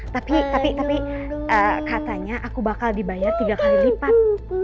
tapi tapi katanya aku bakal dibayar tiga kali lipat